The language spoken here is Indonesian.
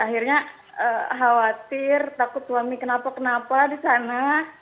akhirnya khawatir takut suami kenapa kenapa di sana